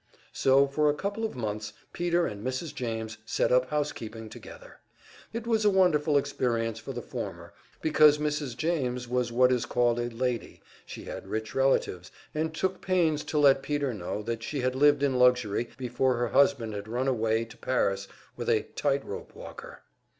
So for a couple of months Peter and Mrs. James set up housekeeping together. It was a wonderful experience for the former, because Mrs. James was what is called a "lady," she had rich relatives, and took pains to let Peter know that she had lived in luxury before her husband had run away to Paris with a tight rope walker.